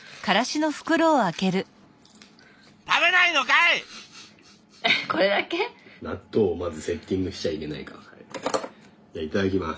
いただきます。